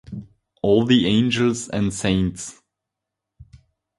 all the angels and saints